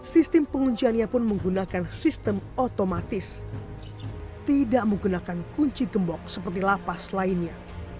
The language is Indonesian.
sistem pengunciannya pun menggunakan sistem otomatis tidak menggunakan kunci gembok seperti lapas lainnya